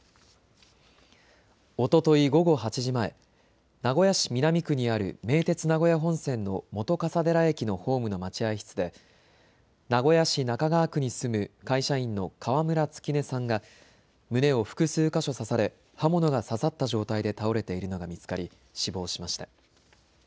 おととい午後８時前、名古屋市南区にある名鉄名古屋本線の本笠寺駅のホームの待合室で名古屋市中川区に住む会社員の川村月音さんが胸を複数箇所刺され刃物が刺さった状態で倒れているのが見つかり死亡しました。